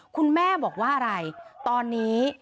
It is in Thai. คุณแม่บอกว่าอะไรตอนนี้